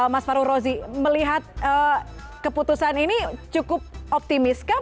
mas faru rozi melihat keputusan ini cukup optimis